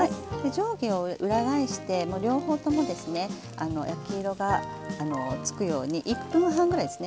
上下を裏返して両方ともですね焼き色が付くように１分半ぐらいですね